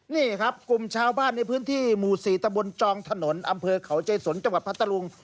นี่ครับกลุ่มชาวบ้านในพื้นที่หมู่๔ตะบนจองถนนอำเภอเขาใจสนจังหวัดพัทธรุง